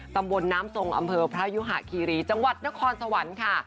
ตำบลน้ำทรงอำเภอพระยุหะคีรีจังหวัดนครสวรรค์ค่ะ